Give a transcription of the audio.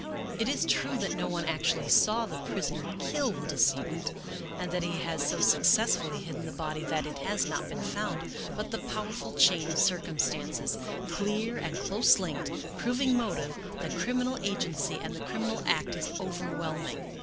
It is true that no one actually saw the prisoner kill the decedent, and that he has so success fully hidden the body that it has not been found, but the powerful chain of circumstances, clear and close linked, proving motive, the criminal agency, and the criminal act, is overwhelming.